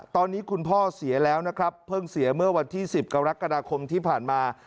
ตอนนี้คุณพ่อเสียแล้วนะครับเพิ่งเสียเมื่อวันที่๑๐กรกฎาคมที่ผ่านมา